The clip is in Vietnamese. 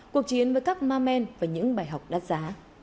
cuộc chiến với các ma men và những bài học đắt giá